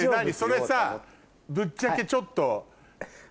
それさぶっちゃけちょっと。